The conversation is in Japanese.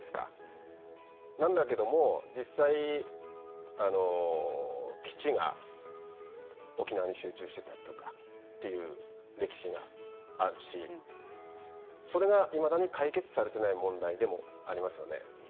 そうなんだけども実際基地が沖縄に集中していたりとかそういう歴史があるしそれがいまだに解決されていない問題でもありますよね。